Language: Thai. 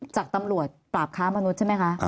จากตำรวจปราบค้ามนุษย์ใช่ไหมคะ